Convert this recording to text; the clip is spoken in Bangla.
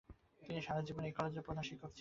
তিনি সারা জীবন এই কলেজের প্রধান শিক্ষক ছিলেন।